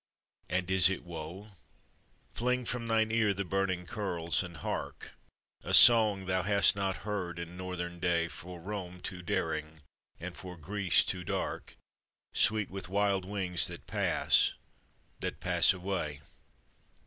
And is it woe? Fling from thine ear the burning curls, and hark A song thou hast not heard in Northern day; For Rome too daring, and for Greece too dark, Sweet with wild wings that pass, that pass away!